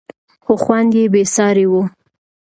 خو خوند یې بېساری و.